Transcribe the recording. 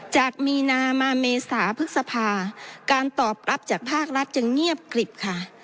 จากมีนามาเมษาพฤษภาการตอบรับจากภาครัฐจะเงียบกลิบค่ะ